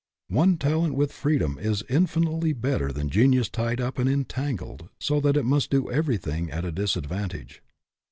One talent with freedom is infinitely better than genius tied up and entangled so that it must do everything at a disadvantage.